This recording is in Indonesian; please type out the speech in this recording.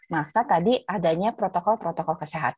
maka tadi adanya protokol protokol yang sangat penting